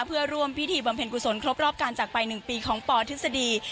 เพื่อร่วมพิธีบำเพ็ญกุศลครบรอบการจากไป๑ปีของปทฤษฎี